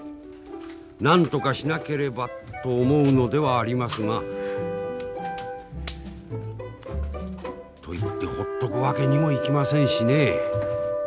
なんとかしなければと思うのではありますが。といってほっとくわけにもいきませんしねえ。